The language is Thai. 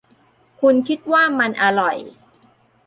คุณคิดว่ามันอร่อย